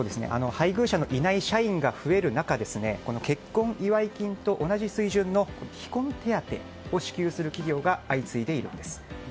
配偶者のいない社員が増える中結婚祝い金と同じ水準の非婚手当を支給する企業が相次いでいるんです。